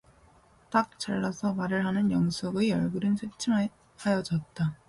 딱 잘라서 말을 하는 영숙의 얼굴은 새침하여졌다.